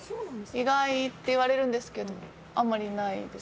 意外って言われるんですけどあんまりないです。